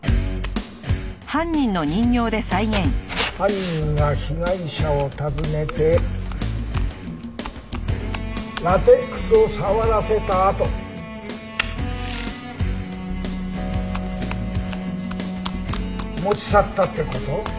犯人が被害者を訪ねてラテックスを触らせたあと。持ち去ったって事？